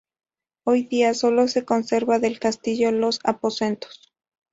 Hoy día solo se conserva del castillo los aposentos.